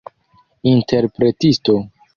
interpretisto